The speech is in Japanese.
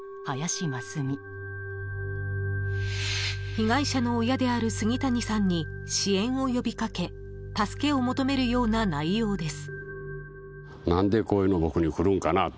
［被害者の親である杉谷さんに支援を呼び掛け助けを求めるような内容です］